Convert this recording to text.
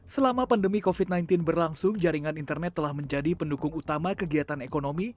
selama pandemi covid sembilan belas berlangsung jaringan internet telah menjadi pendukung utama kegiatan ekonomi